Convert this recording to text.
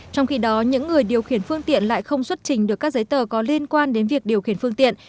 trong khi đó những người điều khiển phương tiện lại không xuất trình được các giấy tờ có liên quan đến việc điều khiển phương tiện